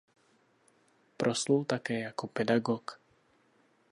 Proslul také jako pedagog.